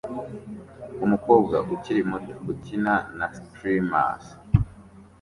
Umukobwa ukiri muto ukina na streamers